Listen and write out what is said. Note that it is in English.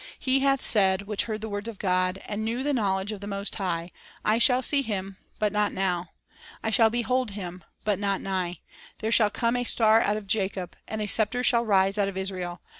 ' He hath said, which heard the words of God, And knew the knowledge of the Most High :... I shall see Him, but not now ; I shall behold Him, but not nigh ; There shall come a Star out of Jacob, And a Scepter shall rise out of Israel.